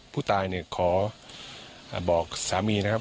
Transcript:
ผู้ตายเนี่ยขอบอกสามีนะครับ